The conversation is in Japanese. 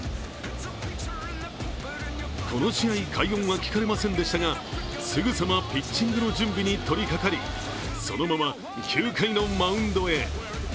この試合、快音は聞かれませんでしたが、すぐさまピッチングの準備に取りかかり、そのまま９回のマウンドへ。